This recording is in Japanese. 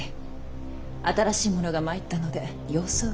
新しい者が参ったので様子を伺いに。